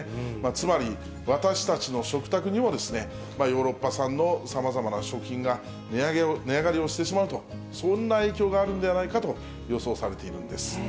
つまり、私たちの食卓にもヨーロッパ産のさまざまな食品が値上がりをしてしまうという、そんな影響があるのではないかと予想されているんです。